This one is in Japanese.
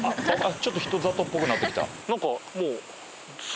ちょっと人里っぽくなってきた。